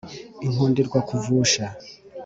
Inkundirwakuvusha